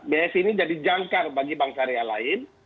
bsi ini jadi jangkar bagi bank syariah lain